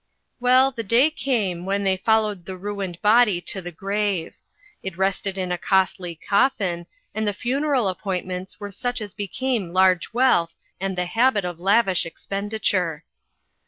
Well, the day came when they followed the ruined body to the grave. It rested in a costly coffin, and the funeral appointments were such as became large wealth and the habit of lavish expenditure.